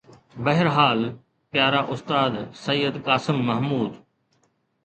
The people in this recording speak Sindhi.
بهرحال پيارا استاد سيد قاسم محمود